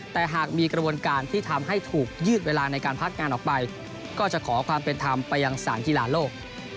แต่หากมีกระบวนการที่ทำให้ถูกยืดเวลาในการพักงานออกไปก็จะขอความเป็นธรรมไปยังสารกีฬาโลก